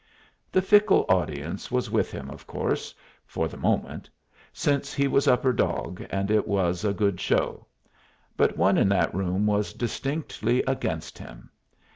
The fickle audience was with him, of course, for the moment, since he was upper dog and it was a good show; but one in that room was distinctly against him.